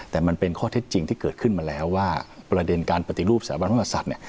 แต่มันเป็นข้อเท็จจริงที่เกิดขึ้นมาแล้วว่าประเด็นการปฏิรูปสถาบันพระมศัตริย์เนี่ย